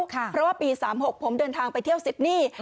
เพราะว่าปี๓๖ผมเดินทางไปเที่ยวซิดนี่